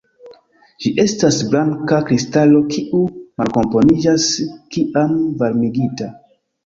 Ĝi estas blanka kristalo kiu malkomponiĝas kiam varmigita.